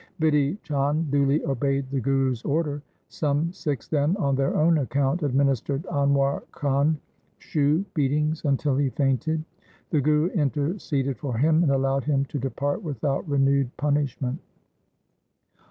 Bidhi Chand duly obeyed tne Guru's order. Some Sikhs then on their own account administered Anwar Khan shoe beatings until he fainted. The Guru interceded for him and allowed him to depart without renewed punishment.